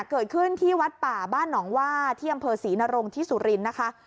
เกิดขึ้นที่วัดป่าบ้านหนองว่าที่อำเภอศรีนรงค์ที่สุรินทร์นะคะ